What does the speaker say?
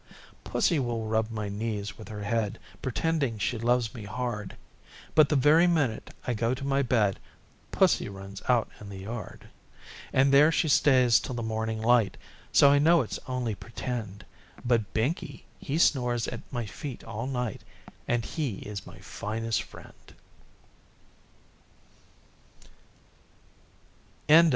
Pussy will rub my knees with her head Pretending she loves me hard; But the very minute I go to my bed Pussy runs out in the yard, And there she stays till the morning light; So I know it is only pretend; But Binkie, he snores at my feet all night, And he is my Firstest Friend!